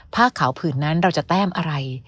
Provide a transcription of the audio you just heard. ผ้าขาวผื่นนั้นเราจะแต้มอะไร